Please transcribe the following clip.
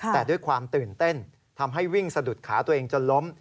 แต่ด้วยความตื่นเต้นทำให้วิ่งสะดุดขาตัวเองจนล้ม